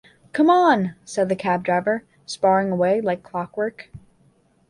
‘Come on!’ said the cab-driver, sparring away like clockwork.